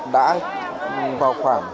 đã vào khoảng